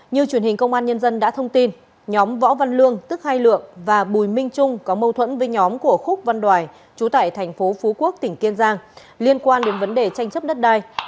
như truyền hình công an nhân dân đã thông tin nhóm võ văn lương tức hai lượng và bùi minh trung có mâu thuẫn với nhóm của khúc văn đoài chú tại thành phố phú quốc tỉnh kiên giang liên quan đến vấn đề tranh chấp đất đai